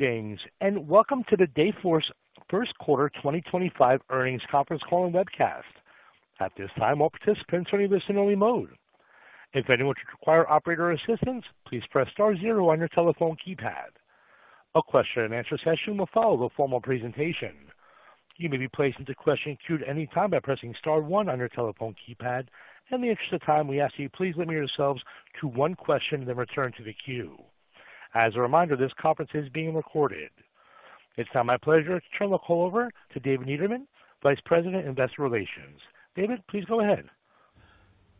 Games, and welcome to the Dayforce first quarter 2025 earnings conference call and Webcast. At this time, all participants are in listen-only mode. If anyone should require operator assistance, please press star zero on your telephone keypad. A question-and-answer session will follow the formal presentation. You may be placed into question queue at any time by pressing star one on your telephone keypad, and in the interest of time, we ask that you please limit yourselves to one question and then return to the queue. As a reminder, this conference is being recorded. It's now my pleasure to turn the call over to David Niederman, Vice President, Investor Relations. David, please go ahead.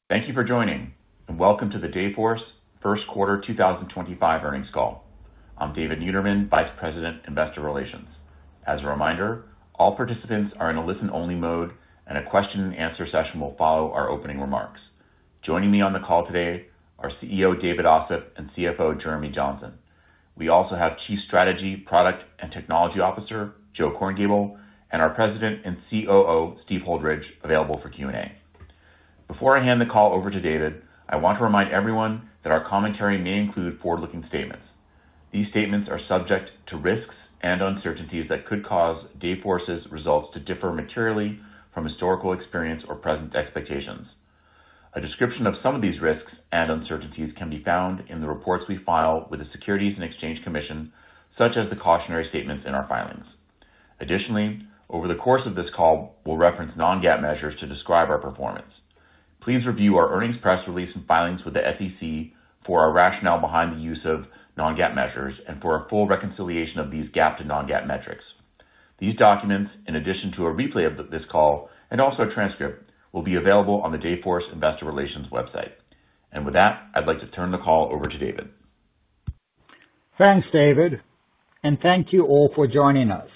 Thank you for joining, and welcome to the Dayforce first quarter 2025 earnings call. I'm David Niederman, Vice President, Investor Relations. As a reminder, all participants are in a listen-only mode, and a question-and-answer session will follow our opening remarks. Joining me on the call today are CEO David Ossip and CFO Jeremy Johnson. We also have Chief Strategy, Product, and Technology Officer Joe Korngiebel, and our President and COO Steve Holdridge available for Q&A. Before I hand the call over to David, I want to remind everyone that our commentary may include forward-looking statements. These statements are subject to risks and uncertainties that could cause Dayforce's results to differ materially from historical experience or present expectations. A description of some of these risks and uncertainties can be found in the reports we file with the Securities and Exchange Commission, such as the cautionary statements in our filings. Additionally, over the course of this call, we'll reference non-GAAP measures to describe our performance. Please review our earnings press release and filings with the SEC for our rationale behind the use of non-GAAP measures and for a full reconciliation of these GAAP to non-GAAP metrics. These documents, in addition to a replay of this call and also a transcript, will be available on the Dayforce Investor Relations website. With that, I'd like to turn the call over to David. Thanks, David, and thank you all for joining us.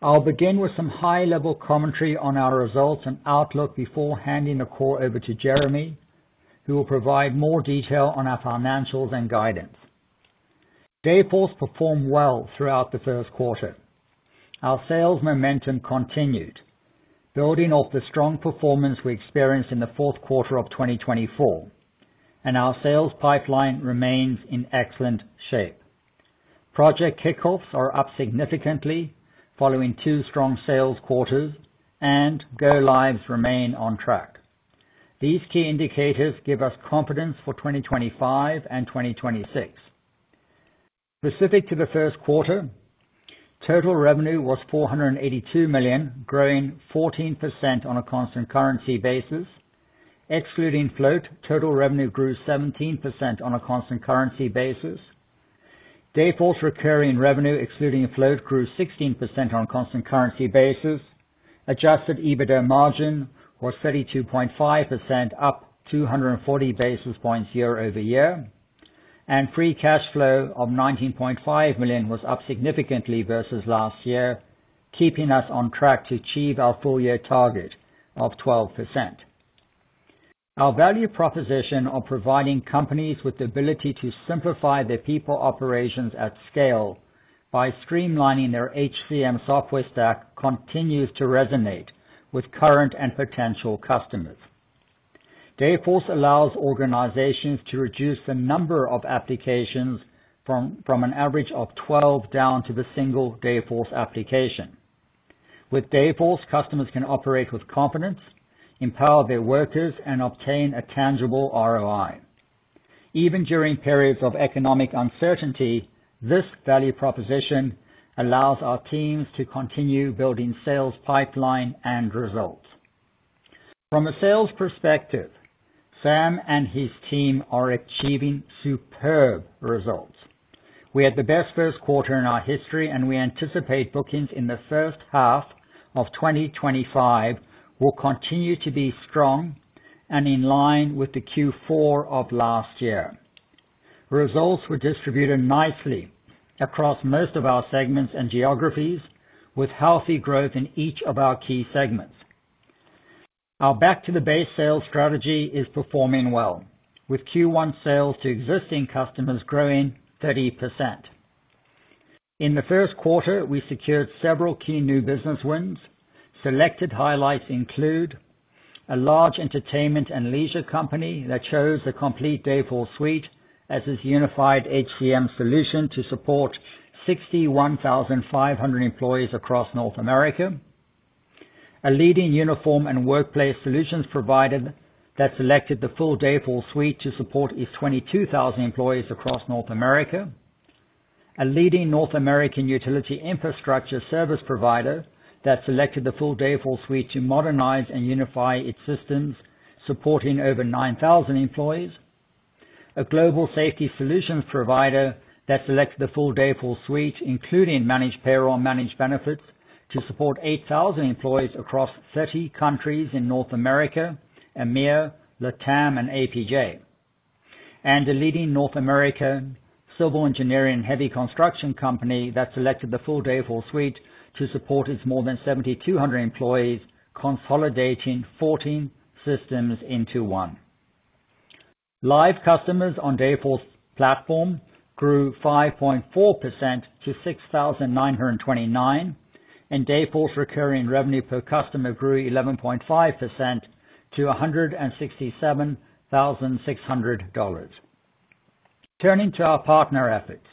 I'll begin with some high-level commentary on our results and outlook before handing the call over to Jeremy, who will provide more detail on our financials and guidance. Dayforce performed well throughout the first quarter. Our sales momentum continued, building off the strong performance we experienced in the fourth quarter of 2024, and our sales pipeline remains in excellent shape. Project kickoffs are up significantly following two strong sales quarters, and go-lives remain on track. These key indicators give us confidence for 2025 and 2026. Specific to the first quarter, total revenue was $482 million, growing 14% on a constant currency basis. Excluding float, total revenue grew 17% on a constant currency basis. Dayforce recurring revenue, excluding float, grew 16% on a constant currency basis. Adjusted EBITDA margin was 32.5%, up 240 basis points year-over-year, and free cash flow of $19.5 million was up significantly versus last year, keeping us on track to achieve our full-year target of 12%. Our value proposition of providing companies with the ability to simplify their people operations at scale by streamlining their HCM software stack continues to resonate with current and potential customers. Dayforce allows organizations to reduce the number of applications from an average of 12 down to the single Dayforce application. With Dayforce, customers can operate with confidence, empower their workers, and obtain a tangible ROI. Even during periods of economic uncertainty, this value proposition allows our teams to continue building sales pipeline and results. From a sales perspective, Sam and his team are achieving superb results. We had the best first quarter in our history, and we anticipate bookings in the first half of 2025 will continue to be strong and in line with the Q4 of last year. Results were distributed nicely across most of our segments and geographies, with healthy growth in each of our key segments. Our back-to-the-base sales strategy is performing well, with Q1 sales to existing customers growing 30%. In the first quarter, we secured several key new business wins. Selected highlights include a large entertainment and leisure company that chose a complete Dayforce suite as its unified HCM solution to support 61,500 employees across North America, a leading uniform and workplace solutions provider that selected the full Dayforce suite to support its 22,000 employees across North America, a leading North American utility infrastructure service provider that selected the full Dayforce suite to modernize and unify its systems, supporting over 9,000 employees, a global safety solutions provider that selected the full Dayforce suite, including managed payroll and managed benefits, to support 8,000 employees across 30 countries in North America, EMEA, LATAM, and APJ, and a leading North American civil engineering and heavy construction company that selected the full Dayforce suite to support its more than 7,200 employees, consolidating 14 systems into one. Live customers on Dayforce's platform grew 5.4% to 6,929, and Dayforce recurring revenue per customer grew 11.5% to $167,600. Turning to our partner efforts,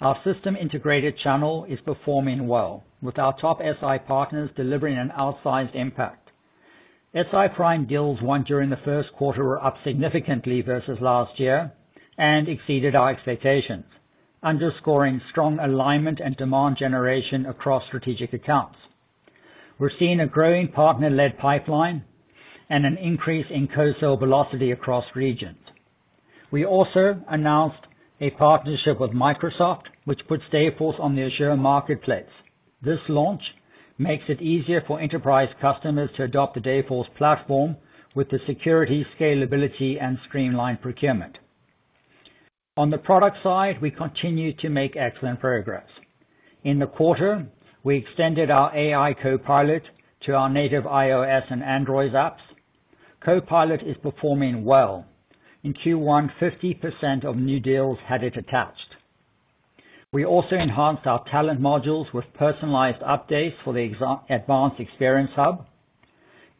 our system integrator channel is performing well, with our top SI partners delivering an outsized impact. SI prime deals won during the first quarter were up significantly versus last year and exceeded our expectations, underscoring strong alignment and demand generation across strategic accounts. We're seeing a growing partner-led pipeline and an increase in co-sale velocity across regions. We also announced a partnership with Microsoft, which puts Dayforce on the Azure Marketplace. This launch makes it easier for enterprise customers to adopt the Dayforce platform with the security, scalability, and streamlined procurement. On the product side, we continue to make excellent progress. In the quarter, we extended our AI Assistant to our native iOS and Android apps. AI Assistant is performing well. In Q1, 50% of new deals had it attached. We also enhanced our talent modules with personalized updates for the Advanced Experience Hub,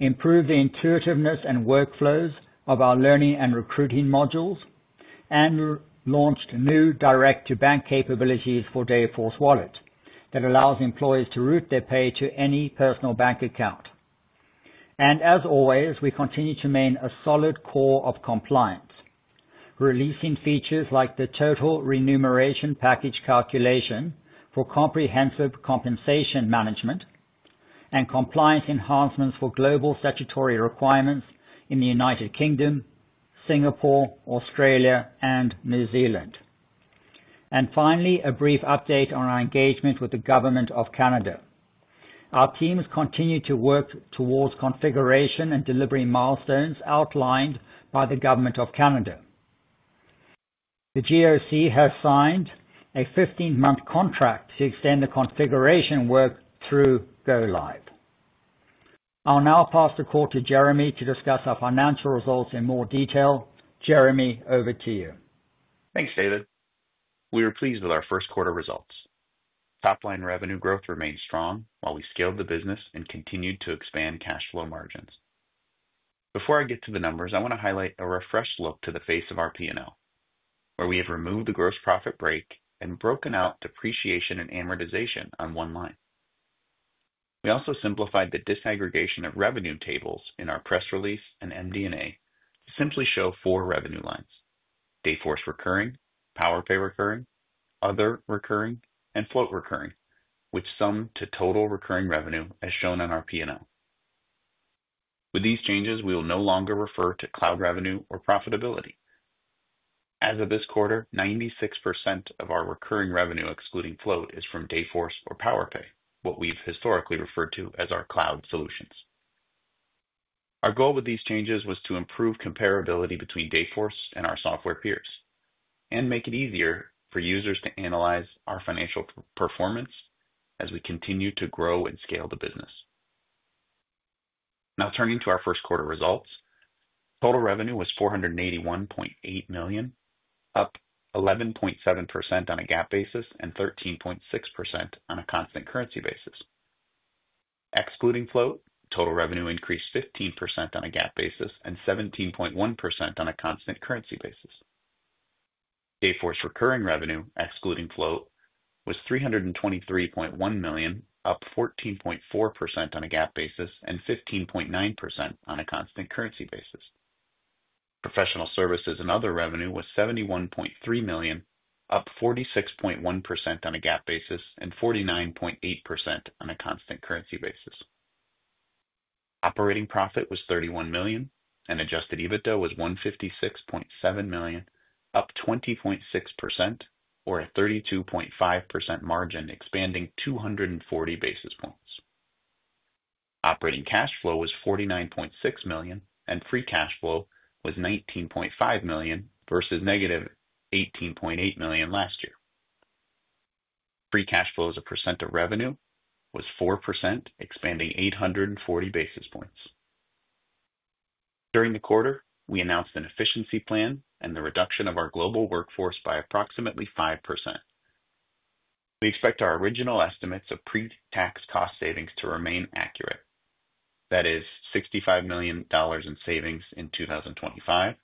improved the intuitiveness and workflows of our learning and recruiting modules, and launched new direct-to-bank capabilities for Dayforce Wallet that allows employees to route their pay to any personal bank account. We continue to maintain a solid core of compliance, releasing features like the total remuneration package calculation for comprehensive compensation management and compliance enhancements for global statutory requirements in the U.K., Singapore, Australia, and New Zealand. Finally, a brief update on our engagement with the Government of Canada. Our teams continue to work towards configuration and delivery milestones outlined by the Government of Canada. The Government of Canada has signed a 15-month contract to extend the configuration work through go-live. I'll now pass the call to Jeremy to discuss our financial results in more detail. Jeremy, over to you. Thanks, David. We are pleased with our first quarter results. Top-line revenue growth remained strong while we scaled the business and continued to expand cash flow margins. Before I get to the numbers, I want to highlight a refreshed look to the face of our P&L, where we have removed the gross profit break and broken out depreciation and amortization on one line. We also simplified the disaggregation of revenue tables in our press release and MD&A to simply show four revenue lines: Dayforce recurring, Powerpay recurring, Other recurring, and foat recurring, which sum to total recurring revenue as shown on our P&L. With these changes, we will no longer refer to cloud revenue or profitability. As of this quarter, 96% of our recurring revenue, excluding float, is from Dayforce or Powerpay, what we've historically referred to as our cloud solutions. Our goal with these changes was to improve comparability between Dayforce and our software peers and make it easier for users to analyze our financial performance as we continue to grow and scale the business. Now, turning to our first quarter results, total revenue was $481.8 million, up 11.7% on a GAAP basis and 13.6% on a constant currency basis. Excluding float, total revenue increased 15% on a GAAP basis and 17.1% on a constant currency basis. Dayforce recurring revenue, excluding float, was $323.1 million, up 14.4% on a GAAP basis and 15.9% on a constant currency basis. Professional services and other revenue was $71.3 million, up 46.1% on a GAAP basis and 49.8% on a constant currency basis. Operating profit was $31 million, and Adjusted EBITDA was $156.7 million, up 20.6%, or a 32.5% margin, expanding 240 basis points. Operating cash flow was $49.6 million, and free cash flow was $19.5 million versus negative $18.8 million last year. Free cash flow as a percent of revenue was 4%, expanding 840 basis points. During the quarter, we announced an efficiency plan and the reduction of our global workforce by approximately 5%. We expect our original estimates of pre-tax cost savings to remain accurate. That is $65 million in savings in 2025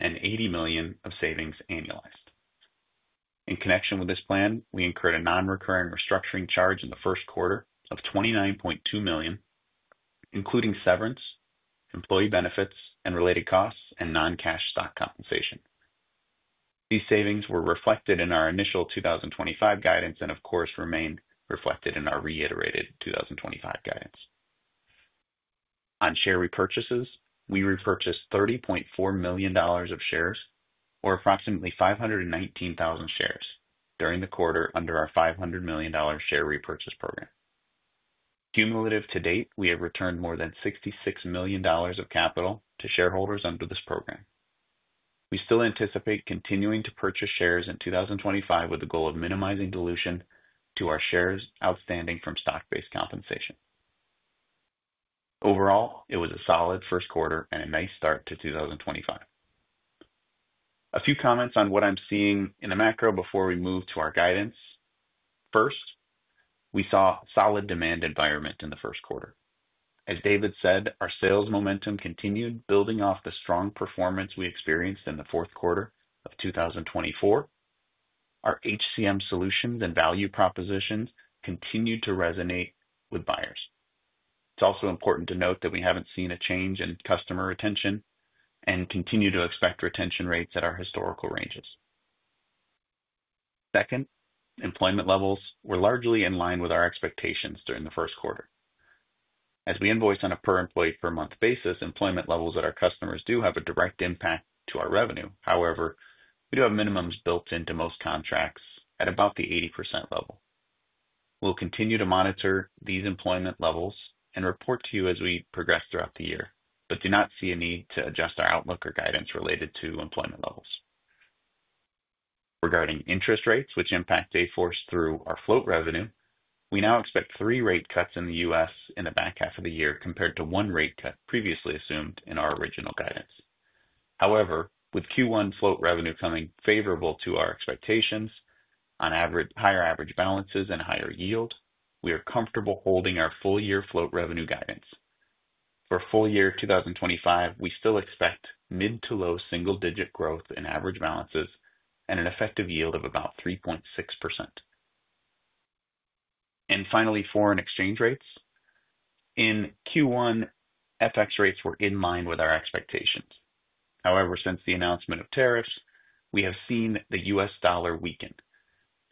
and $80 million of savings annualized. In connection with this plan, we incurred a non-recurring restructuring charge in the first quarter of $29.2 million, including severance, employee benefits, and related costs, and non-cash stock compensation. These savings were reflected in our initial 2025 guidance and, of course, remain reflected in our reiterated 2025 guidance. On share repurchases, we repurchased $30.4 million of shares, or approximately 519,000 shares, during the quarter under our $500 million share repurchase program. Cumulative to date, we have returned more than $66 million of capital to shareholders under this program. We still anticipate continuing to purchase shares in 2025 with the goal of minimizing dilution to our shares outstanding from stock-based compensation. Overall, it was a solid first quarter and a nice start to 2025. A few comments on what I'm seeing in the macro before we move to our guidance. First, we saw a solid demand environment in the first quarter. As David said, our sales momentum continued building off the strong performance we experienced in the fourth quarter of 2024. Our HCM solutions and value propositions continued to resonate with buyers. It's also important to note that we haven't seen a change in customer retention and continue to expect retention rates at our historical ranges. Second, employment levels were largely in line with our expectations during the first quarter. As we invoice on a per-employee per-month basis, employment levels at our customers do have a direct impact to our revenue. However, we do have minimums built into most contracts at about the 80% level. We will continue to monitor these employment levels and report to you as we progress throughout the year, but do not see a need to adjust our outlook or guidance related to employment levels. Regarding interest rates, which impact Dayforce through our float revenue, we now expect three rate cuts in the U.S. in the back half of the year compared to one rate cut previously assumed in our original guidance. However, with Q1 float revenue coming favorable to our expectations on higher average balances and higher yield, we are comfortable holding our full-year float revenue guidance. For full-year 2025, we still expect mid to low single-digit growth in average balances and an effective yield of about 3.6%. Finally, foreign exchange rates. In Q1, FX rates were in line with our expectations. However, since the announcement of tariffs, we have seen the U.S. dollar weaken.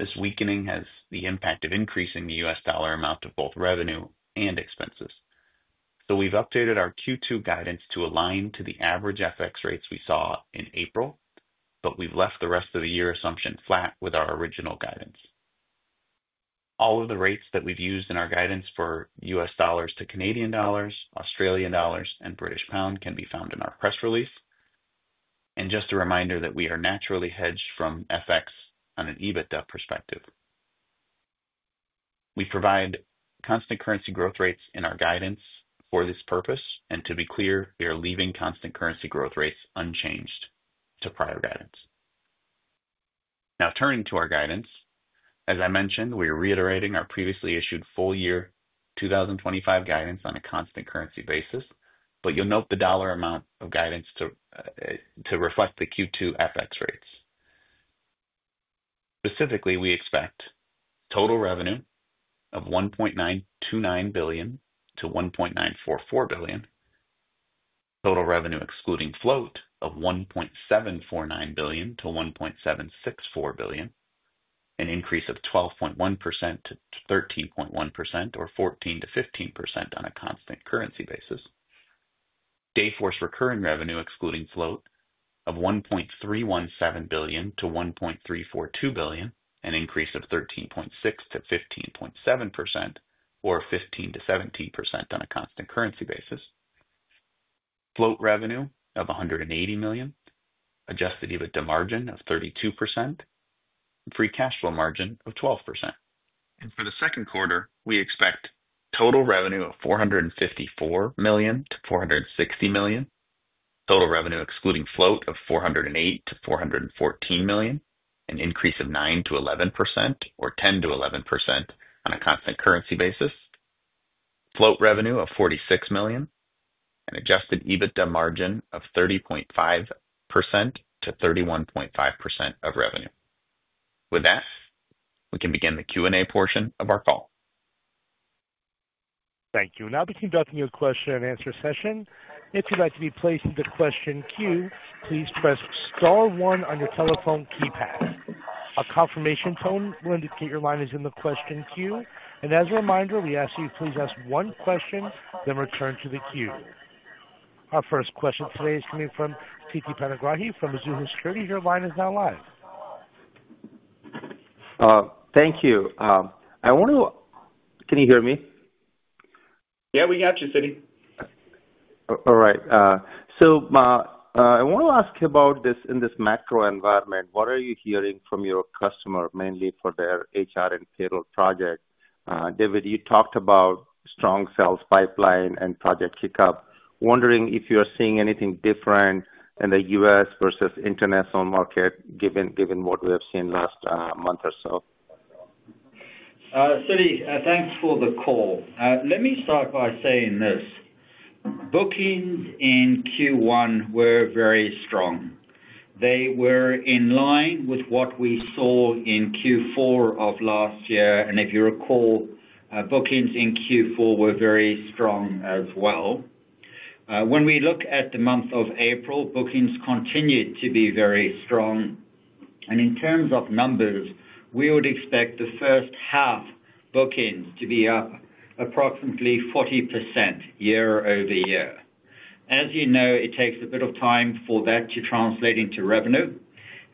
This weakening has the impact of increasing the U.S. dollar amount of both revenue and expenses. We have updated our Q2 guidance to align to the average FX rates we saw in April, but we have left the rest of the year assumption flat with our original guidance. All of the rates that we have used in our guidance for U.S. dollars to Canadian dollars, Australian dollars, and British pound can be found in our press release. Just a reminder that we are naturally hedged from FX on an EBITDA perspective. We provide constant currency growth rates in our guidance for this purpose. To be clear, we are leaving constant currency growth rates unchanged to prior guidance. Now, turning to our guidance, as I mentioned, we are reiterating our previously issued full-year 2025 guidance on a constant currency basis, but you'll note the dollar amount of guidance to reflect the Q2 FX rates. Specifically, we expect total revenue of $1.929 billion-$1.944 billion, total revenue excluding float of $1.749 billion-$1.764 billion, an increase of 12.1%-13.1%, or 14%-15% on a constant currency basis. Dayforce recurring revenue excluding float of $1.317 billion-$1.342 billion, an increase of 13.6%-15.7%, or 15%-17% on a constant currency basis. Float revenue of $180 million, Adjusted EBITDA margin of 32%, and free cash flow margin of 12%. For the second quarter, we expect total revenue of $454 million-$460 million, total revenue excluding float of $408 million-$414 million, an increase of 9%-11%, or 10%-11% on a constant currency basis. Float revenue of $46 million, an adjusted EBITDA margin of 30.5%-31.5% of revenue. With that, we can begin the Q&A portion of our call. Thank you. Now, begin to open your question-and -nswer session. If you'd like to be placed in the question queue, please press star one on your telephone keypad. A confirmation tone will indicate your line is in the question queue. As a reminder, we ask you to please ask one question, then return to the queue. Our first question today is coming from Siti Panigrahi from Mizuho Securities. Your line is now live. Thank you. I want to—can you hear me? Yeah, we can catch you, Siti. All right. I want to ask about this in this macro environment. What are you hearing from your customer, mainly for their HR and payroll project? David, you talked about strong sales pipeline and project kickoff. Wondering if you are seeing anything different in the U.S. versus international market, given what we have seen last month or so. Siti, thanks for the call. Let me start by saying this: bookings in Q1 were very strong. They were in line with what we saw in Q4 of last year. If you recall, bookings in Q4 were very strong as well. When we look at the month of April, bookings continued to be very strong. In terms of numbers, we would expect the first half bookings to be up approximately 40% year-over-year. As you know, it takes a bit of time for that to translate into revenue,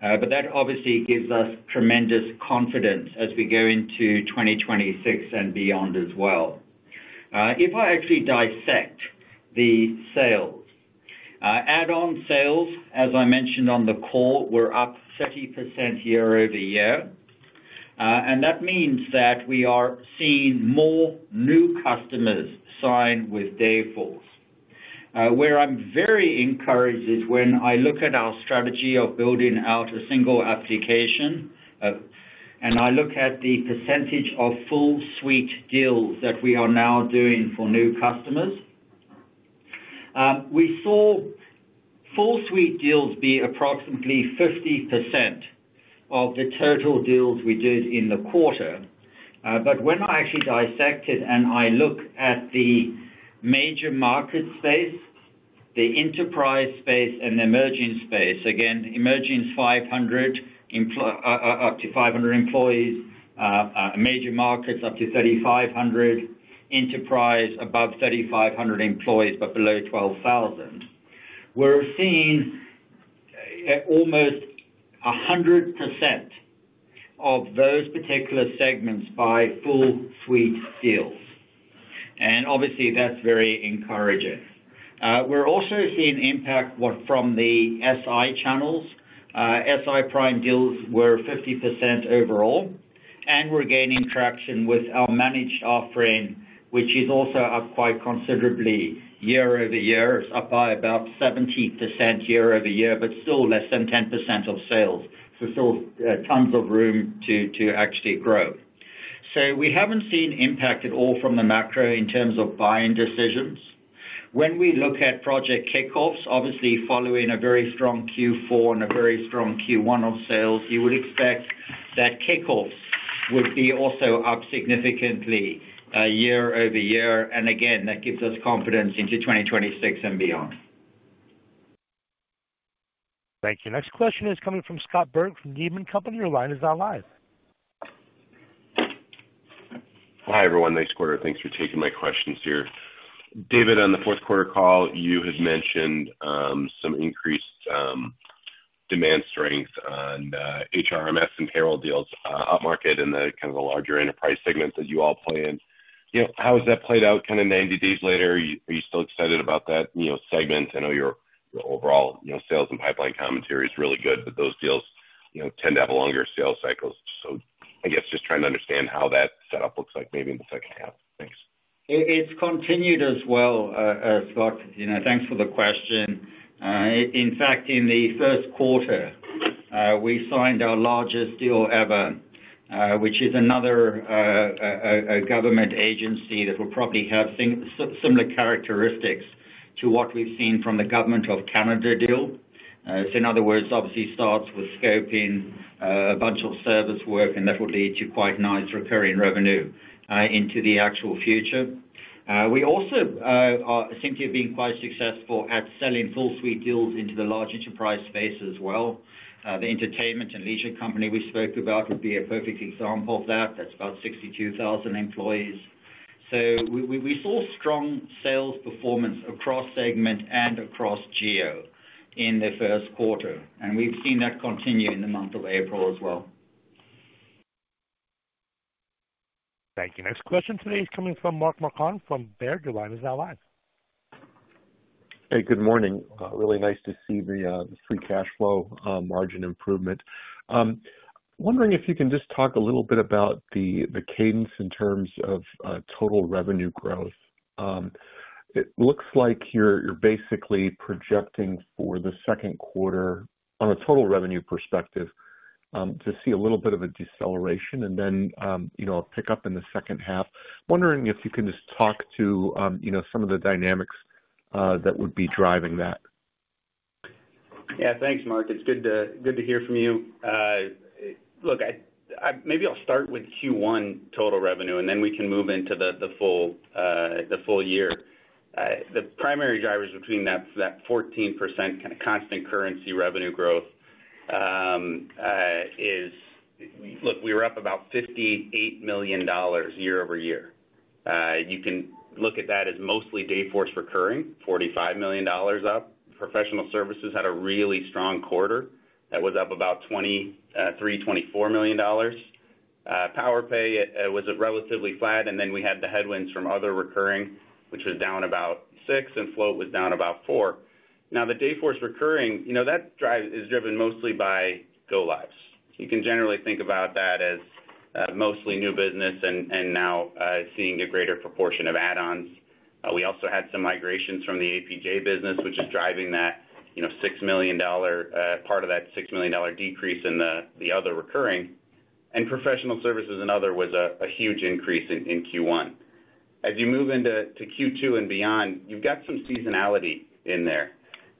but that obviously gives us tremendous confidence as we go into 2026 and beyond as well. If I actually dissect the sales, add-on sales, as I mentioned on the call, were up 30% year-over-year. That means that we are seeing more new customers sign with Dayforce. Where I'm very encouraged is when I look at our strategy of building out a single application of—and I look at the percentage of full suite deals that we are now doing for new customers. We saw full suite deals be approximately 50% of the total deals we did in the quarter. When I actually dissected and I look at the major market space, the enterprise space, and the emerging space—again, emerging is 500, up to 500 employees, major markets up to 3,500, enterprise above 3,500 employees, but below 12,000—we're seeing almost 100% of those particular segments buy full suite deals. Obviously, that's very encouraging. We're also seeing impact from the SI channels. SI p[rime deals were 50% overall. We're gaining traction with our managed offering, which is also up quite considerably year-over-year. It's up by about 70% year-over-year, but still less than 10% of sales. Still tons of room to actually grow. We haven't seen impact at all from the macro in terms of buying decisions. When we look at project kickoffs, obviously following a very strong Q4 and a very strong Q1 of sales, you would expect that kickoffs would be also up significantly year-over-year. That gives us confidence into 2026 and beyond. Thank you. Next question is coming from Scott Berg from Needham & Company. Your line is now live. Hi everyone.. Nice quarter. Thanks for taking my questions here. David, on the fourth quarter call, you had mentioned some increased demand strength on HRMS and payroll deals upmarket in the kind of the larger enterprise segment that you all play in. How has that played out kind of 90 days later? Are you still excited about that segment? I know your overall sales and pipeline commentary is really good, but those deals tend to have longer sales cycles. I guess just trying to understand how that setup looks like maybe in the second half. Thanks. It's continued as well, Scott. Thanks for the question. In fact, in the first quarter, we signed our largest deal ever, which is another government agency that will probably have similar characteristics to what we've seen from the Government of Canada deal. In other words, obviously starts with scoping a bunch of service work, and that will lead to quite nice recurring revenue into the actual future. We also seem to have been quite successful at selling full suite deals into the large enterprise space as well. The entertainment and leisure company we spoke about would be a perfect example of that. That's about 62,000 employees. We saw strong sales performance across segment and across geo in the first quarter. We've seen that continue in the month of April as well. Thank you. Next question today is coming from Mark Marcon from Baird. Your line is now live. Hey, good morning. Really nice to see the free cash flow margin improvement. Wondering if you can just talk a little bit about the cadence in terms of total revenue growth. It looks like you're basically projecting for the second quarter on a total revenue perspective to see a little bit of a deceleration, and then a pickup in the second half. Wondering if you can just talk to some of the dynamics that would be driving that. Yeah, thanks, Mark. It's good to hear from you. Look, maybe I'll start with Q1 total revenue, and then we can move into the full year. The primary drivers between that 14% kind of constant currency revenue growth is, look, we were up about $58 million year-over-year. You can look at that as mostly Dayforce recurring. $45 million up. Professional services had a really strong quarter that was up about $3 million. Powerpay was relatively flat, and then we had the headwinds from other recurring, which was down about $6 million, and float was down about $4 million. Now, the Dayforce recurring, that is driven mostly by go-lives. You can generally think about that as mostly new business and now seeing a greater proportion of add-ons. We also had some migrations from the APJ business, which is driving that $6 million part of that $6 million decrease in the other recurring. Professional services and other was a huge increase in Q1. As you move into Q2 and beyond, you've got some seasonality in there.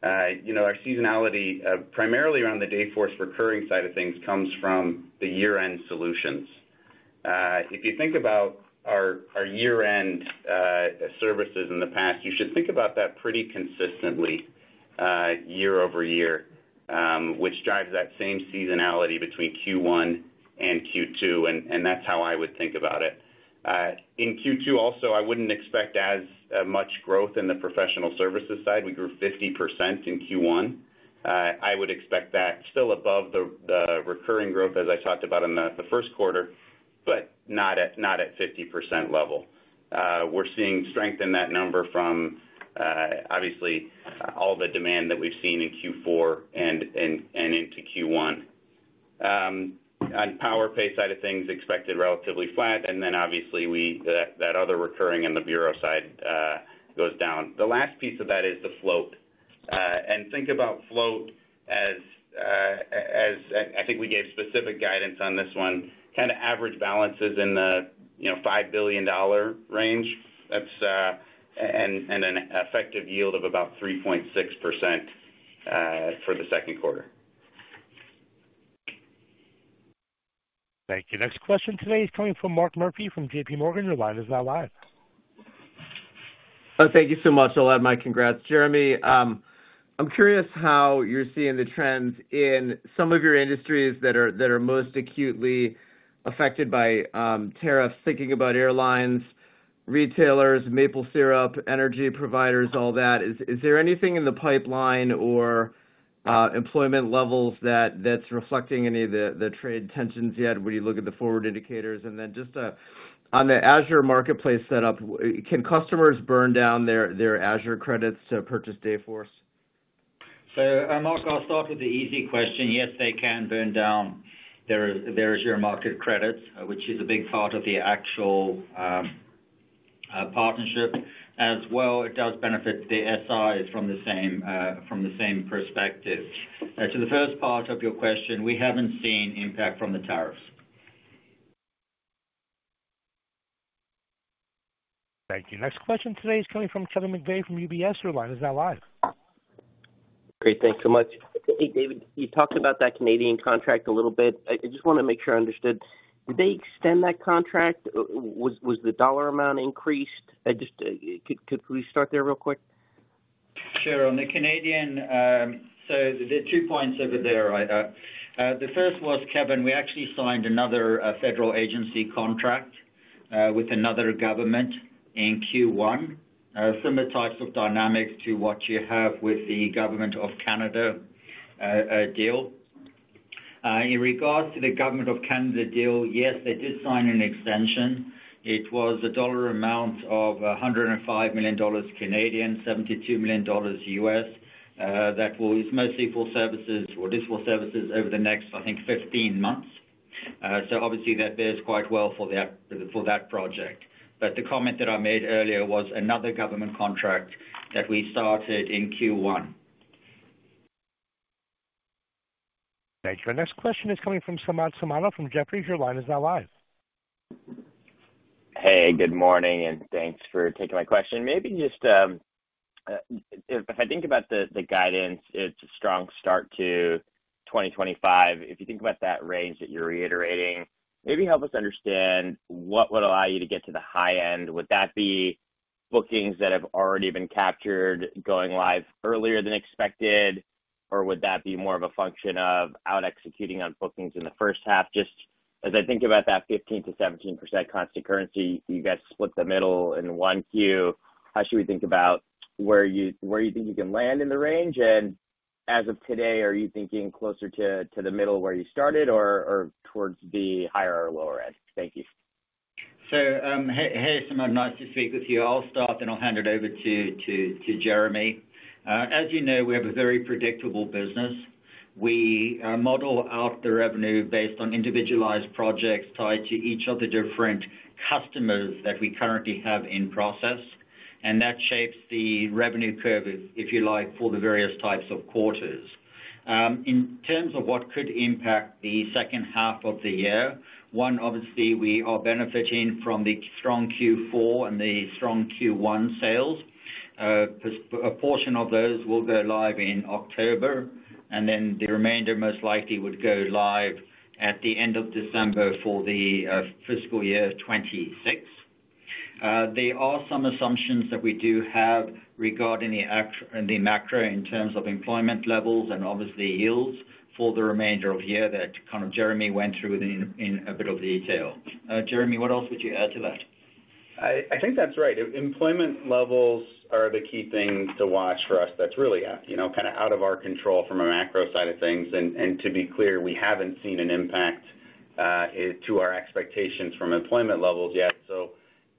Our seasonality primarily around the Dayforce recurring side of things comes from the year-end solutions. If you think about our year-end services in the past, you should think about that pretty consistently year-over-year, which drives that same seasonality between Q1 and Q2, and that's how I would think about it. In Q2 also, I wouldn't expect as much growth in the professional services side. We grew 50% in Q1. I would expect that still above the recurring growth, as I talked about in the first quarter, but not at 50% level. We're seeing strength in that number from obviously all the demand that we've seen in Q4 and into Q1. On Powerpay side of things, expected relatively flat, and obviously that other recurring on the bureau side goes down. The last piece of that is the float. Think about float as I think we gave specific guidance on this one, kind of average balances in the $5 billion range, and an effective yield of about 3.6% for the second quarter. Thank you. Next question today is coming from Mark Murphy from JPMorgan. Your line is now live. Thank you so much. I'll add my congrats, Jeremy. I'm curious how you're seeing the trends in some of your industries that are most acutely affected by tariffs, thinking about airlines, retailers, maple syrup, energy providers, all that. Is there anything in the pipeline or employment levels that's reflecting any of the trade tensions yet? Would you look at the forward indicators? Just on the Azure Marketplace setup, can customers burn down their Azure credits to purchase Dayforce? Mark, I'll start with the easy question. Yes, they can burn down their Azure Marketplace credits, which is a big part of the actual partnership. As well, it does benefit the SIs from the same perspective. To the first part of your question, we haven't seen impact from the tariffs. Thank you. Next question today is coming from Kevin McVeigh from UBS. Your line is now live. Great. Thanks so much. Hey, David, you talked about that Canadian contract a little bit. I just want to make sure I understood. Did they extend that contract? Was the dollar amount increased? Could we start there real quick? Sure. On the Canadian, there are two points over there. The first was, Kevin, we actually signed another federal agency contract with another government in Q1, similar types of dynamics to what you have with the Government of Canada deal. In regards to the Government of Canada deal, yes, they did sign an extension. It was a dollar amount of 105 million Canadian dollars, $72 million U.S., that was mostly for services or this for services over the next, I think, 15 months. Obviously, that bears quite well for that project. The comment that I made earlier was another government contract that we started in Q1. Thank you. Our next question is coming from Samad Samana from Jefferies. Your line is now live. Hey, good morning, and thanks for taking my question. Maybe just if I think about the guidance, it's a strong start to 2025. If you think about that range that you're reiterating, maybe help us understand what would allow you to get to the high end. Would that be bookings that have already been captured going live earlier than expected, or would that be more of a function of out executing on bookings in the first half? Just as I think about that 15%-17% constant currency, you guys split the middle in Q1. How should we think about where you think you can land in the range? As of today, are you thinking closer to the middle where you started or towards the higher or lower end? Thank you. Hey, Samad, nice to speak with you. I'll start, then I'll hand it over to Jeremy. As you know, we have a very predictable business. We model out the revenue based on individualized projects tied to each of the different customers that we currently have in process. That shapes the revenue curve, if you like, for the various types of quarters. In terms of what could impact the second half of the year, one, obviously, we are benefiting from the strong Q4 and the strong Q1 sales. A portion of those will go live in October, and the remainder most likely would go live at the end of December for the fiscal year 2026. There are some assumptions that we do have regarding the macro in terms of employment levels and obviously yields for the remainder of the year that kind of Jeremy went through in a bit of detail. Jeremy, what else would you add to that? I think that's right. Employment levels are the key thing to watch for us. That's really kind of out of our control from a macro side of things. To be clear, we haven't seen an impact to our expectations from employment levels yet.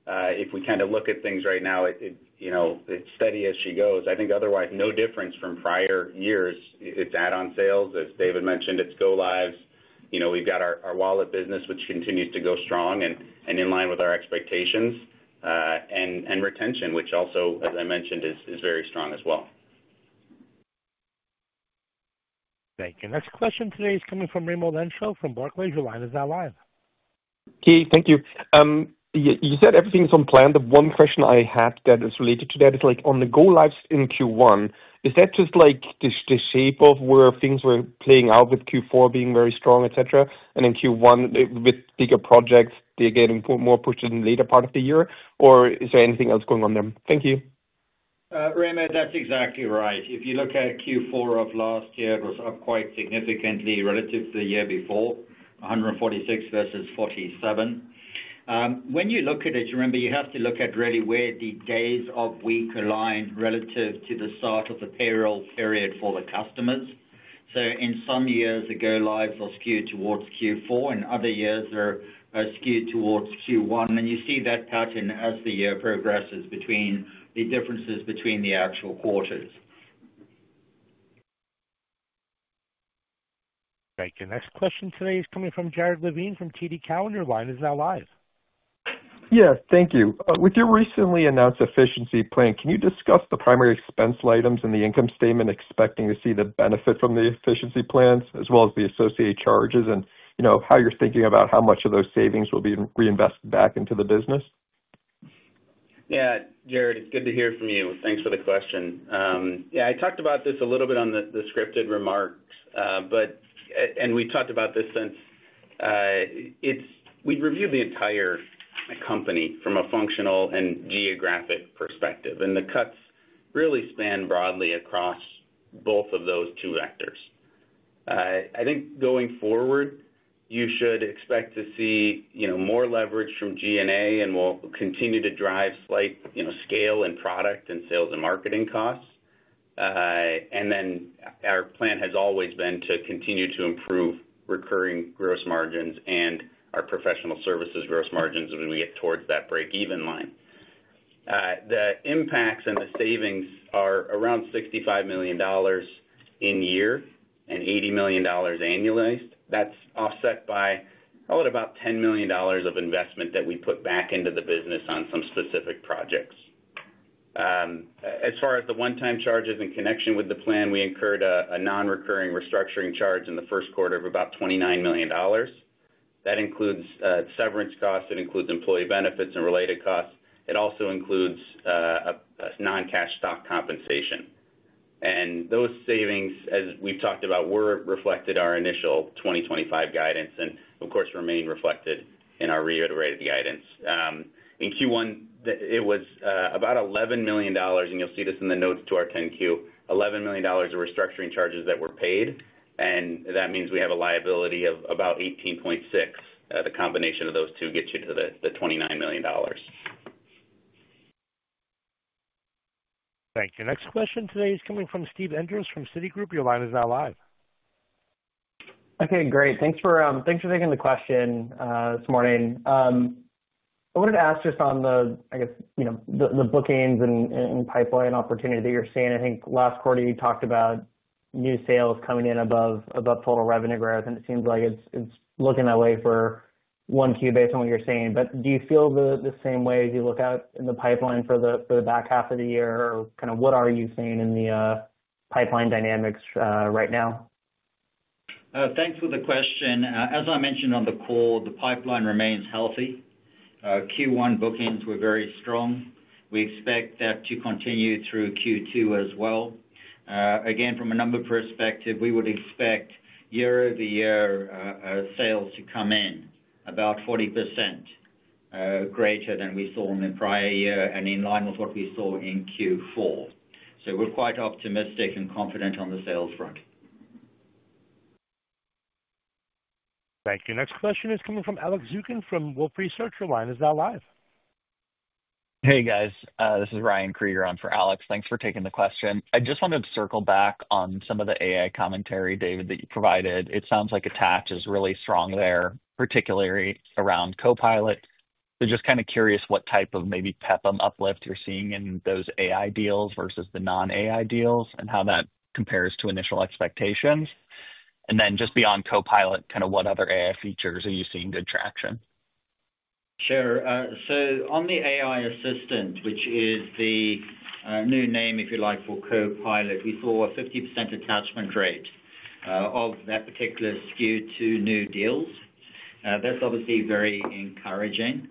If we kind of look at things right now, it's steady as she goes. I think otherwise, no difference from prior years. It's add-on sales, as David mentioned. It's go-lives. We've got our wallet business, which continues to go strong and in line with our expectations. Retention, which also, as I mentioned, is very strong as well. Thank you. Next question today is coming from Raimo Lenschow from Barclays. Your line is now live. Key, thank you. You said everything's on plan. The one question I had that is related to that is on the go-lives in Q1, is that just the shape of where things were playing out with Q4 being very strong, etc.? Q1, with bigger projects, they're getting more pushed in the later part of the year, or is there anything else going on there? Thank you. Raymond, that's exactly right. If you look at Q4 of last year, it was up quite significantly relative to the year before, 146 versus 47. When you look at it, remember, you have to look at really where the days of week align relative to the start of the payroll period for the customers. In some years, the go-lives are skewed towards Q4. In other years, they're skewed towards Q1. You see that pattern as the year progresses between the differences between the actual quarters. Thank you. Next question today is coming from Jared Levine from TD Cowen. Your line is now live. Yes, thank you. With your recently announced efficiency plan, can you discuss the primary expense items in the income statement expecting to see the benefit from the efficiency plans as well as the associated charges and how you're thinking about how much of those savings will be reinvested back into the business? Yeah, Jared, it's good to hear from you. Thanks for the question. Yeah, I talked about this a little bit on the scripted remarks, and we've talked about this since we've reviewed the entire company from a functional and geographic perspective. The cuts really span broadly across both of those two vectors. I think going forward, you should expect to see more leverage from G&A and will continue to drive slight scale in product and sales and marketing costs. Our plan has always been to continue to improve recurring gross margins and our professional services gross margins as we get towards that break-even line. The impacts and the savings are around $65 million in year and $80 million annualized. That's offset by about $10 million of investment that we put back into the business on some specific projects. As far as the one-time charges in connection with the plan, we incurred a non-recurring restructuring charge in the first quarter of about $29 million. That includes severance costs. It includes employee benefits and related costs. It also includes non-cash stock compensation. Those savings, as we've talked about, were reflected in our initial 2025 guidance and, of course, remain reflected in our reiterated guidance. In Q1, it was about $11 million, and you'll see this in the notes to our 10Q. $11 million are restructuring charges that were paid, and that means we have a liability of about 18.6. The combination of those two gets you to the $29 million. Thank you. Next question today is coming from Steve Enders from Citigroup. Your line is now live. Okay, great. Thanks for taking the question this morning. I wanted to ask just on the, I guess, the bookings and pipeline opportunity that you're seeing. I think last quarter, you talked about new sales coming in above total revenue growth, and it seems like it's looking that way for Q1 based on what you're seeing. Do you feel the same way as you look out in the pipeline for the back half of the year, or kind of what are you seeing in the pipeline dynamics right now? Thanks for the question. As I mentioned on the call, the pipeline remains healthy. Q1 bookings were very strong. We expect that to continue through Q2 as well. Again, from a number perspective, we would expect year-over-year sales to come in about 40% greater than we saw in the prior year and in line with what we saw in Q4. We are quite optimistic and confident on the sales front. Thank you. Next question is coming from Alex Zukin from Wolfe Research. Your line is now live. Hey, guys. This is Ryan Krieger on for Alex. Thanks for taking the question. I just wanted to circle back on some of the AI commentary, David, that you provided. It sounds like attach is really strong there, particularly around Copilot. Just kind of curious what type of maybe Peplum uplift you're seeing in those AI deals versus the non-AI deals and how that compares to initial expectations. Then just beyond Copilot, kind of what other AI features are you seeing good traction? Sure. On the AI assistant, which is the new name, if you like, for Copilot, we saw a 50% attachment rate of that particular SKU to new deals. That is obviously very encouraging.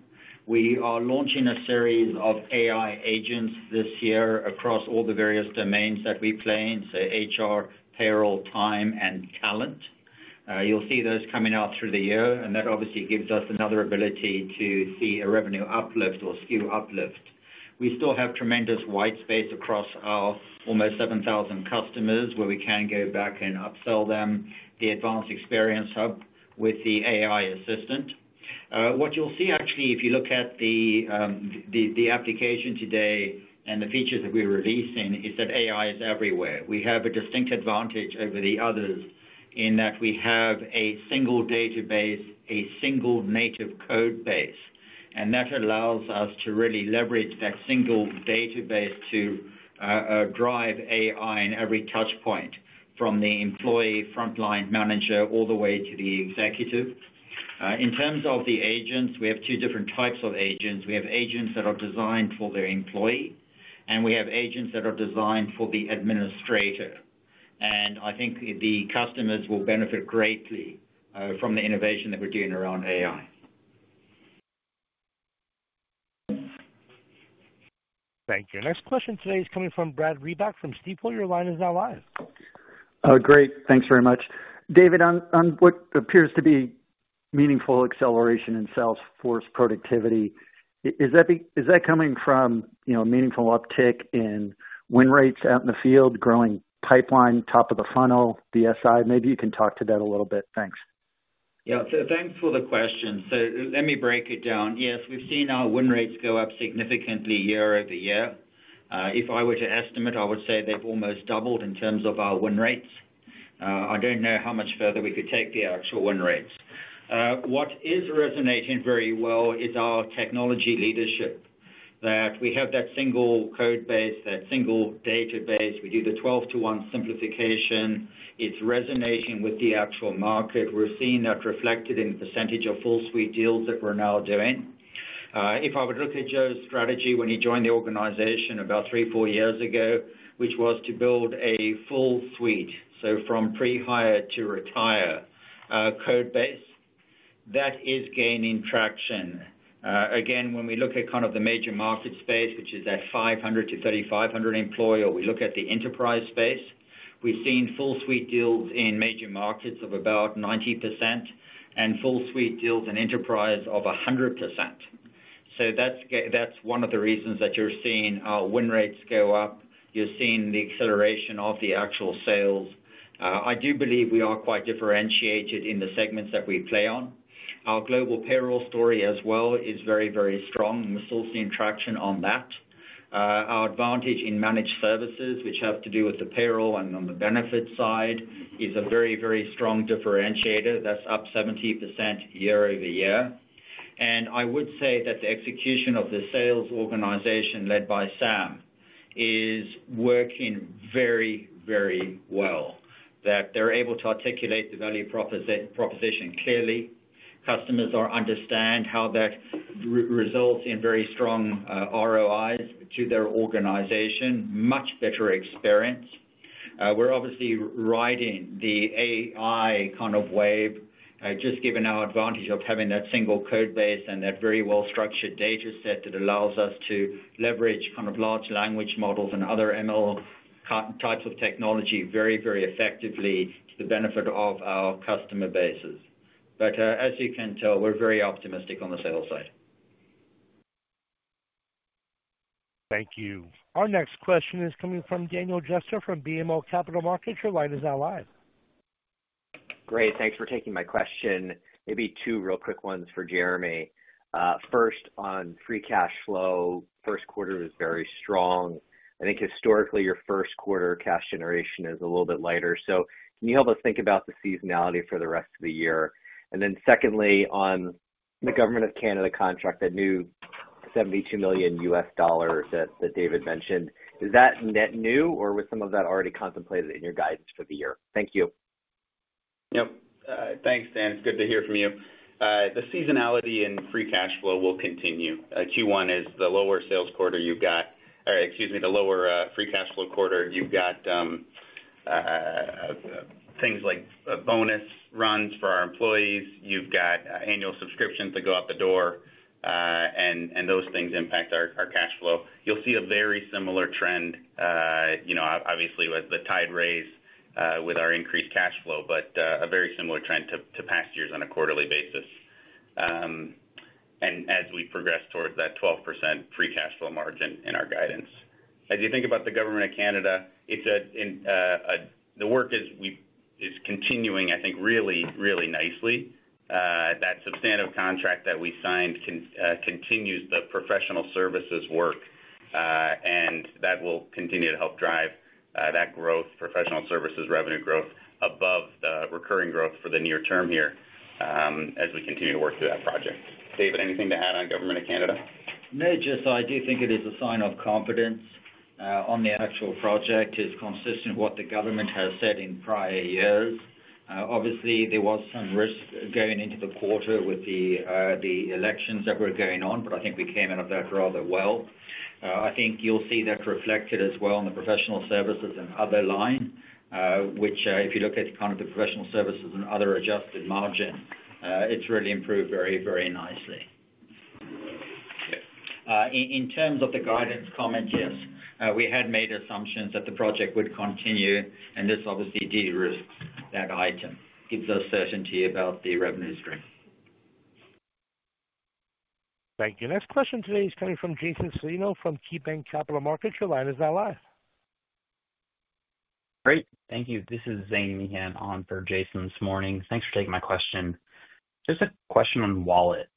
We are launching a series of AI agents this year across all the various domains that we play in, so HR, payroll, time, and talent. You will see those coming out through the year, and that obviously gives us another ability to see a revenue uplift or SKU uplift. We still have tremendous white space across our almost 7,000 customers where we can go back and upsell them the Advanced Experience Hub with the AI assistant. What you will see, actually, if you look at the application today and the features that we are releasing, is that AI is everywhere. We have a distinct advantage over the others in that we have a single database, a single native code base. That allows us to really leverage that single database to drive AI in every touchpoint from the employee frontline manager all the way to the executive. In terms of the agents, we have two different types of agents. We have agents that are designed for the employee, and we have agents that are designed for the administrator. I think the customers will benefit greatly from the innovation that we're doing around AI. Thank you. Next question today is coming from Brad Reback from Stifel. Your line is now live. Great. Thanks very much. David, on what appears to be meaningful acceleration in Salesforce productivity, is that coming from a meaningful uptick in win rates out in the field, growing pipeline, top of the funnel, the SI? Maybe you can talk to that a little bit. Thanks. Yeah. Thanks for the question. Let me break it down. Yes, we've seen our win rates go up significantly year-over-year. If I were to estimate, I would say they've almost doubled in terms of our win rates. I don't know how much further we could take the actual win rates. What is resonating very well is our technology leadership, that we have that single code base, that single database. We do the 12-to-1 simplification. It's resonating with the actual market. We're seeing that reflected in the percentage of full suite deals that we're now doing. If I would look at Joe's strategy when he joined the organization about three, four years ago, which was to build a full suite, so from pre-hire to retire code base, that is gaining traction. Again, when we look at kind of the major market space, which is that 500-3,500 employer, we look at the enterprise space, we've seen full suite deals in major markets of about 90% and full suite deals in enterprise of 100%. That's one of the reasons that you're seeing our win rates go up. You're seeing the acceleration of the actual sales. I do believe we are quite differentiated in the segments that we play on. Our global payroll story as well is very, very strong. We're still seeing traction on that. Our advantage in managed services, which have to do with the payroll and on the benefit side, is a very, very strong differentiator. That's up 70% year-over-year. I would say that the execution of the sales organization led by Sam is working very, very well. That they're able to articulate the value proposition clearly. Customers understand how that results in very strong ROIs to their organization, much better experience. We're obviously riding the AI kind of wave, just given our advantage of having that single code base and that very well-structured data set that allows us to leverage kind of large language models and other ML types of technology very, very effectively to the benefit of our customer bases. As you can tell, we're very optimistic on the sales side. Thank you. Our next question is coming from Daniel Jester from BMO Capital Markets. Your line is now live. Great. Thanks for taking my question. Maybe two real quick ones for Jeremy. First, on free cash flow, first quarter was very strong. I think historically, your first quarter cash generation is a little bit lighter. Can you help us think about the seasonality for the rest of the year? Secondly, on the Government of Canada contract, that new $72 million that David mentioned, is that net new, or was some of that already contemplated in your guidance for the year? Thank you. Yep. Thanks, Dan. It's good to hear from you. The seasonality in free cash flow will continue. Q1 is the lower sales quarter, or, excuse me, the lower free cash flow quarter. You've got things like bonus runs for our employees. You've got annual subscriptions that go out the door, and those things impact our cash flow. You'll see a very similar trend, obviously, with the tide raise with our increased cash flow, but a very similar trend to past years on a quarterly basis and as we progress towards that 12% free cash flow margin in our guidance. As you think about the Government of Canada, the work is continuing, I think, really, really nicely. That substantive contract that we signed continues the professional services work, and that will continue to help drive that growth, professional services revenue growth above the recurring growth for the near term here as we continue to work through that project. David, anything to add on Government of Canada? No, just I do think it is a sign of confidence on the actual project. It's consistent with what the government has said in prior years. Obviously, there was some risk going into the quarter with the elections that were going on, but I think we came out of that rather well. I think you'll see that reflected as well on the professional services and other line, which if you look at kind of the professional services and other adjusted margin, it's really improved very, very nicely. In terms of the guidance comment, yes. We had made assumptions that the project would continue, and this obviously de-risked that item. It gives us certainty about the revenue stream. Thank you. Next question today is coming from Jason Celino from KeyBanc Capital Markets. Your line is now live. Great. Thank you. This is Zane Meehan on for Jason this morning. Thanks for taking my question. Just a question on Wallet.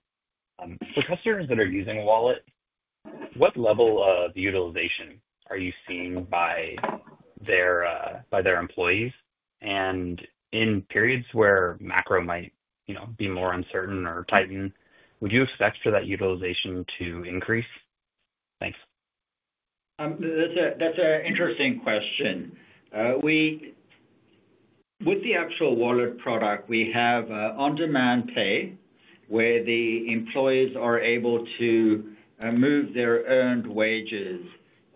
For customers that are using Wallet, what level of utilization are you seeing by their employees? In periods where macro might be more uncertain or tighten, would you expect for that utilization to increase? Thanks. That's an interesting question. With the actual Wallet product, we have on-demand pay where the employees are able to move their earned wages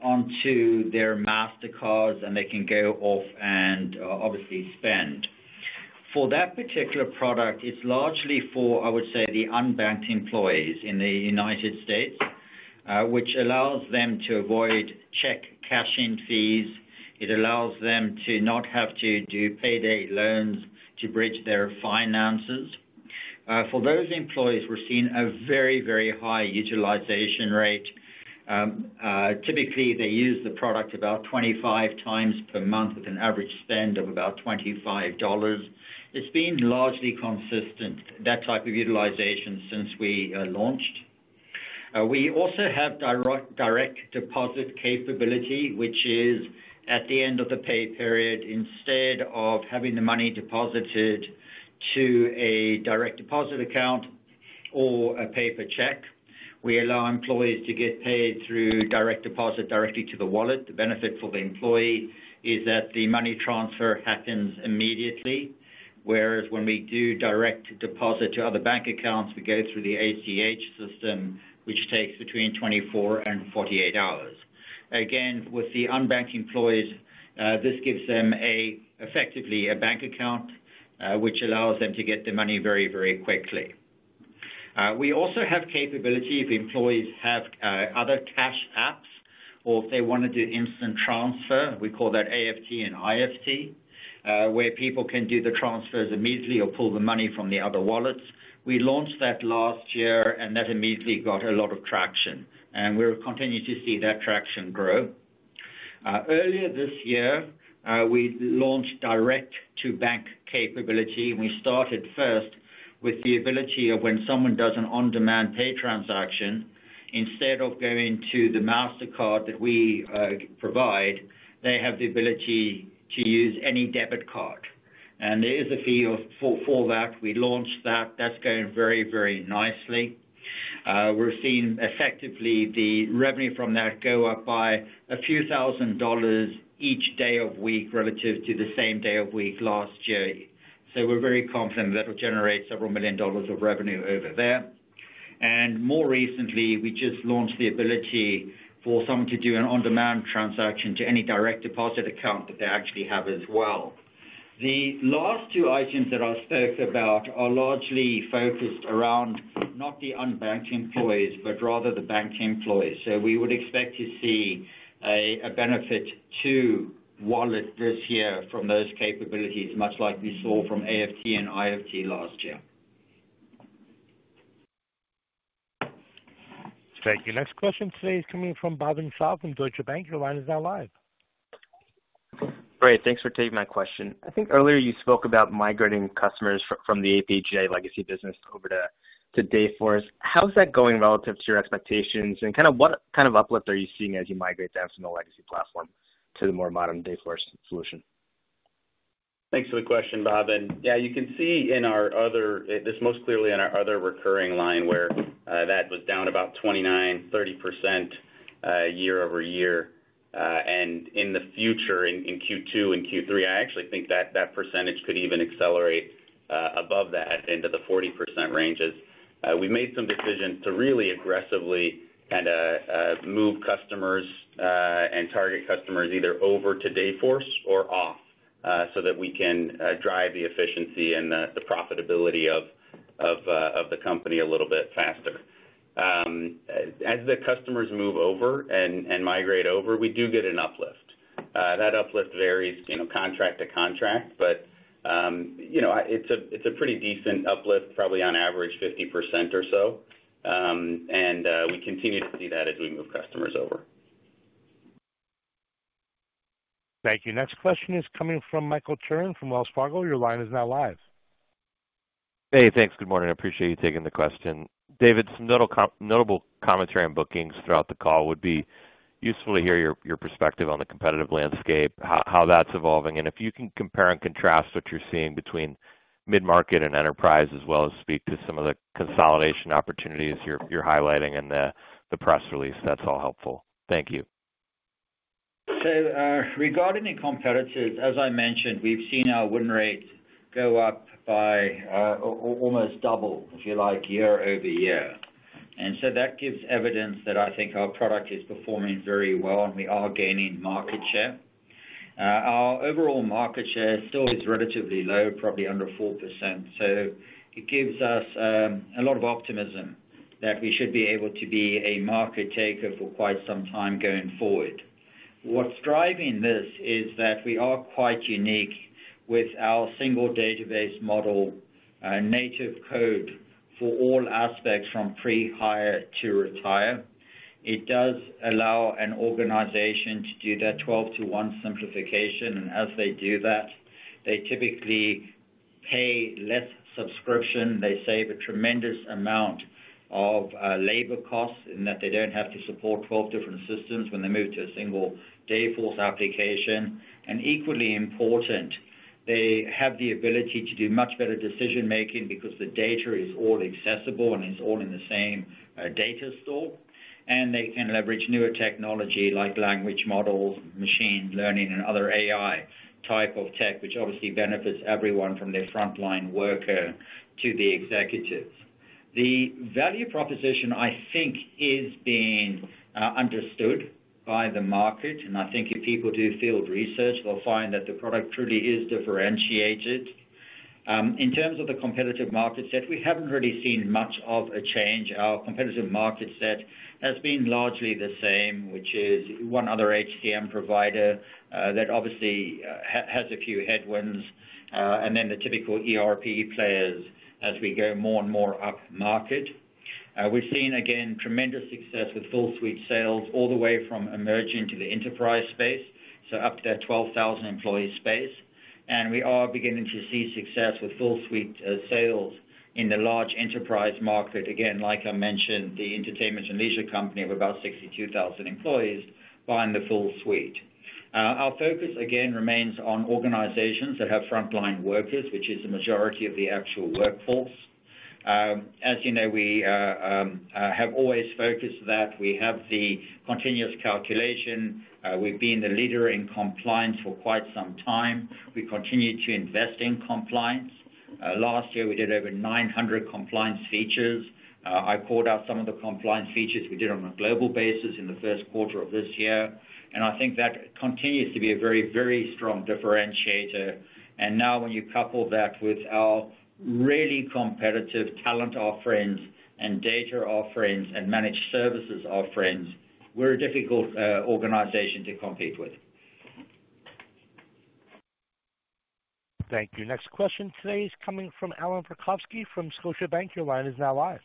onto their Mastercards, and they can go off and obviously spend. For that particular product, it's largely for, I would say, the unbanked employees in the United States., which allows them to avoid check cash-in fees. It allows them to not have to do payday loans to bridge their finances. For those employees, we're seeing a very, very high utilization rate. Typically, they use the product about 25 times per month with an average spend of about $25. It's been largely consistent, that type of utilization, since we launched. We also have direct deposit capability, which is at the end of the pay period, instead of having the money deposited to a direct deposit account or a paper check, we allow employees to get paid through direct deposit directly to the Wallet. The benefit for the employee is that the money transfer happens immediately, whereas when we do direct deposit to other bank accounts, we go through the ACH system, which takes between 24 and 48 hours. Again, with the unbanked employees, this gives them effectively a bank account, which allows them to get the money very, very quickly. We also have capability if employees have other cash apps or if they want to do instant transfer. We call that AFT and IFT, where people can do the transfers immediately or pull the money from the other wallets. We launched that last year, and that immediately got a lot of traction, and we're continuing to see that traction grow. Earlier this year, we launched direct-to-bank capability, and we started first with the ability of when someone does an on-demand pay transaction, instead of going to the Mastercard that we provide, they have the ability to use any debit card. There is a fee for that. We launched that. That's going very, very nicely. We're seeing effectively the revenue from that go up by a few $1,000 each day of week relative to the same day of week last year. We are very confident that it'll generate several million dollars of revenue over there. More recently, we just launched the ability for someone to do an on-demand transaction to any direct deposit account that they actually have as well. The last two items that I spoke about are largely focused around not the unbanked employees, but rather the banked employees. We would expect to see a benefit to Wallet this year from those capabilities, much like we saw from AFT and IFT last year. Thank you. Next question today is coming from Bhavin Shah from Deutsche Bank. Your line is now live. Great. Thanks for taking my question. I think earlier you spoke about migrating customers from the APJ legacy business over to Dayforce. How's that going relative to your expectations, and kind of what kind of uplift are you seeing as you migrate them from the legacy platform to the more modern Dayforce solution? Thanks for the question, Bob. You can see this most clearly in our other recurring line where that was down about 29%-30% year-over-year. In the future, in Q2 and Q3, I actually think that that percentage could even accelerate above that into the 40% ranges. We made some decisions to really aggressively kind of move customers and target customers either over to Dayforce or off so that we can drive the efficiency and the profitability of the company a little bit faster. As the customers move over and migrate over, we do get an uplift. That uplift varies contract to contract, but it's a pretty decent uplift, probably on average 50% or so. We continue to see that as we move customers over. Thank you. Next question is coming from Michael Turrin from Wells Fargo. Your line is now live. Hey, thanks. Good morning. I appreciate you taking the question. David, some notable commentary on bookings throughout the call would be useful to hear your perspective on the competitive landscape, how that's evolving, and if you can compare and contrast what you're seeing between mid-market and enterprise as well as speak to some of the consolidation opportunities you're highlighting in the press release. That's all helpful. Thank you. Regarding the competitors, as I mentioned, we've seen our win rates go up by almost double, if you like, year-over-year. That gives evidence that I think our product is performing very well, and we are gaining market share. Our overall market share still is relatively low, probably under 4%. That gives us a lot of optimism that we should be able to be a market taker for quite some time going forward. What's driving this is that we are quite unique with our single database model, native code for all aspects from pre-hire to retire. It does allow an organization to do that 12-to-1 simplification. As they do that, they typically pay less subscription. They save a tremendous amount of labor costs in that they don't have to support 12 different systems when they move to a single Dayforce application. Equally important, they have the ability to do much better decision-making because the data is all accessible and it's all in the same data store. They can leverage newer technology like language models, machine learning, and other AI type of tech, which obviously benefits everyone from their frontline worker to the executives. The value proposition, I think, is being understood by the market. I think if people do field research, they'll find that the product truly is differentiated. In terms of the competitive market set, we haven't really seen much of a change. Our competitive market set has been largely the same, which is one other HCM provider that obviously has a few headwinds, and then the typical ERP players as we go more and more upmarket. We've seen, again, tremendous success with full suite sales all the way from emerging to the enterprise space, up to that 12,000 employee space. We are beginning to see success with full suite sales in the large enterprise market. Like I mentioned, the entertainment and leisure company of about 62,000 employees buying the full suite. Our focus, again, remains on organizations that have frontline workers, which is the majority of the actual workforce. As you know, we have always focused that. We have the continuous calculation. We've been the leader in compliance for quite some time. We continue to invest in compliance. Last year, we did over 900 compliance features. I called out some of the compliance features we did on a global basis in the first quarter of this year. I think that continues to be a very, very strong differentiator. When you couple that with our really competitive talent offerings and data offerings and managed services offerings, we're a difficult organization to compete with. Thank you. Next question today is coming from Allan Verkhovski from Scotiabank. Your line is now live.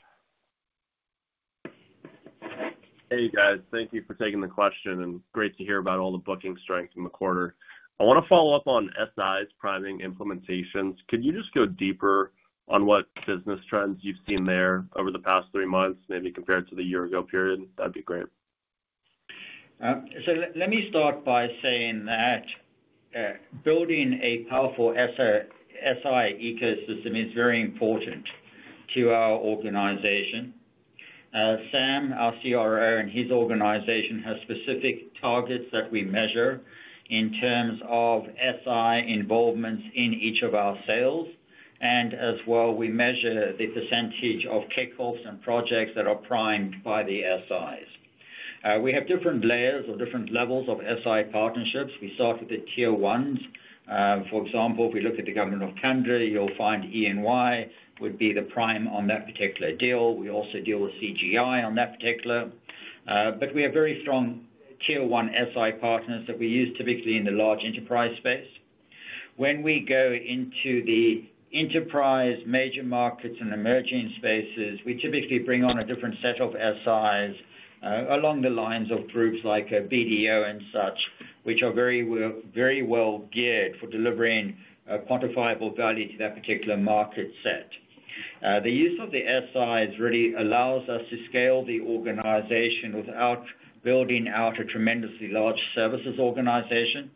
Hey, guys. Thank you for taking the question, and great to hear about all the booking strength in the quarter. I want to follow up on SI's priming implementations. Could you just go deeper on what business trends you've seen there over the past three months, maybe compared to the year-ago period? That'd be great. Let me start by saying that building a powerful SI ecosystem is very important to our organization. Sam, our CRO, and his organization have specific targets that we measure in terms of SI involvements in each of our sales. As well, we measure the percentage of kickoffs and projects that are primed by the SIs. We have different layers or different levels of SI partnerships. We start with the tier ones. For example, if we look at the Government of Canada, you'll find EY would be the prime on that particular deal. We also deal with CGI on that particular. We have very strong tier one SI partners that we use typically in the large enterprise space. When we go into the enterprise major markets and emerging spaces, we typically bring on a different set of SIs along the lines of groups like BDO and such, which are very well geared for delivering quantifiable value to that particular market set. The use of the SIs really allows us to scale the organization without building out a tremendously large services organization.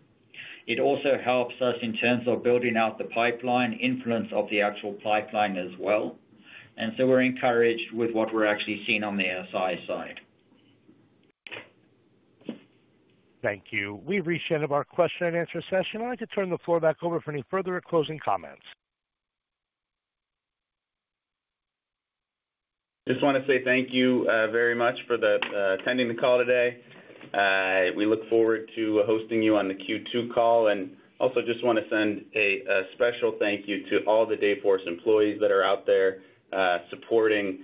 It also helps us in terms of building out the pipeline, influence of the actual pipeline as well. We are encouraged with what we are actually seeing on the SI side. Thank you. We've reached the end of our question-and-answer session. I'd like to turn the floor back over for any further closing comments. Just want to say thank you very much for attending the call today. We look forward to hosting you on the Q2 call. I also just want to send a special thank you to all the Dayforce employees that are out there supporting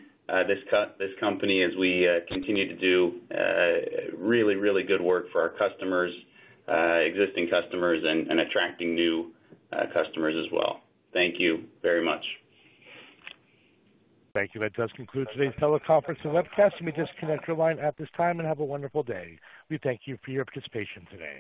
this company as we continue to do really, really good work for our customers, existing customers, and attracting new customers as well. Thank you very much. Thank you. That does conclude today's teleconference and webcast. Let me just disconnect your line at this time and have a wonderful day. We thank you for your participation today.